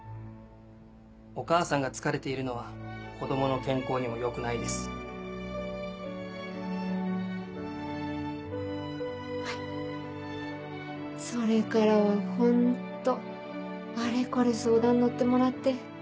お母さんが疲れているのは子供の健康にもはいそれからはホントあれこれ相談乗ってもらって。